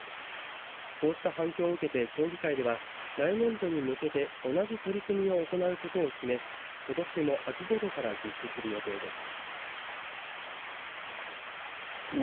こうした反響を受けて協議会では、来年度に向けて同じ取り組みを行うことを決めことしも秋ごろから実施する予定です。